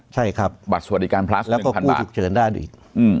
ใช่ครับแล้วก็กู้ฉุกเฉินด้านอีก